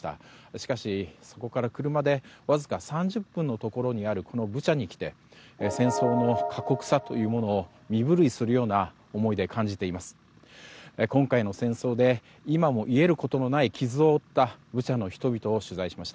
しかし、そこから車でわずか３０分のところにあるこのブチャに来て戦争の過酷さというものを身震いするような思いで感じています。